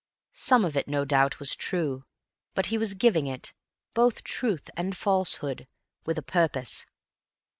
Some of it no doubt was true; but he was giving it, both truth and falsehood, with a purpose.